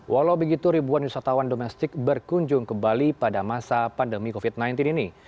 walau begitu ribuan wisatawan domestik berkunjung ke bali pada masa pandemi covid sembilan belas ini